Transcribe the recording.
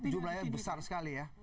jumlahnya besar sekali ya